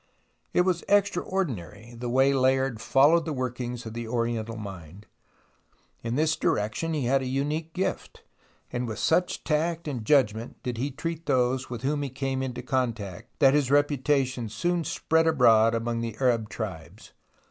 It was extraordinary the way Layard followed the workings of the Oriental mind. In this direc tion he had a unique gift, and with such tact and judgment did he treat those with whom he came into contact, that his reputation soon spread abroad among the Arab tribes.